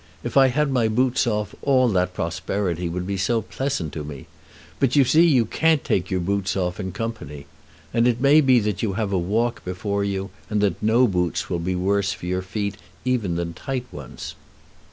If I had my boots off all that prosperity would be so pleasant to me! But you see you can't take your boots off in company. And it may be that you have a walk before you, and that no boots will be worse for your feet even than tight ones."